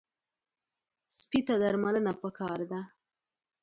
سپي ته درملنه پکار ده.